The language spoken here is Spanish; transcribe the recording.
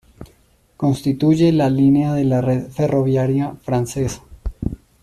Constituye la línea de la red ferroviaria francesa.